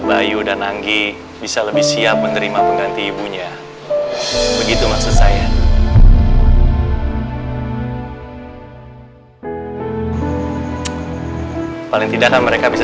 bayu dan anggi bisa lebih siap menerima pengganti ibunya begitu maksud saya paling tidak mereka bisa